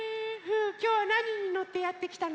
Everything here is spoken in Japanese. きょうはなににのってやってきたの？